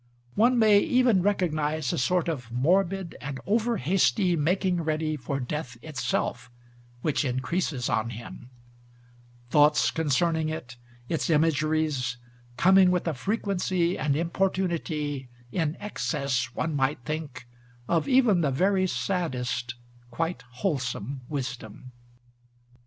One may even recognise a sort of morbid and over hasty making ready for death itself, which increases on him; thoughts concerning it, its imageries, coming with a frequency and importunity, in excess, one might think, of even the very saddest, quite wholesome wisdom.